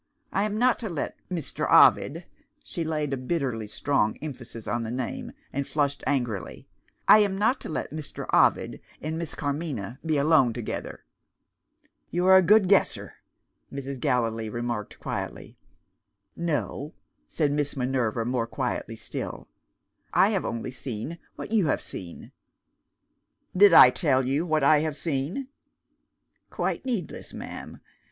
"I am not to let Mr. Ovid" (she laid a bitterly strong emphasis on the name, and flushed angrily) "I am not to let Mr. Ovid and Miss Carmina be alone together." "You are a good guesser," Mrs. Gallilee remarked quietly. "No," said Miss Minerva more quietly still; "I have only seen what you have seen." "Did I tell you what I have seen?" "Quite needless, ma'am.